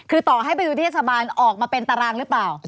คือต่อให้ไปดูเทศบาลออกมาเป็นตารางหรือเปล่า